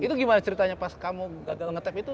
itu gimana ceritanya pas kamu ngetap itu